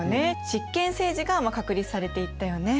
執権政治が確立されていったよね。